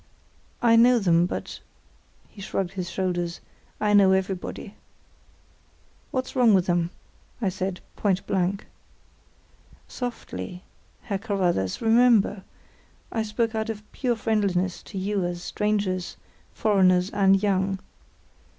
"I know them, but"—he shrugged his shoulders—"I know everybody." "What's wrong with them?" I said, point blank. "Softly! Herr Carruthers. Remember, I speak out of pure friendliness to you as strangers, foreigners, and young.